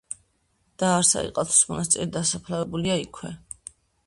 დააარსა იყალთოს მონასტერი, დასაფლავებულია იქვე.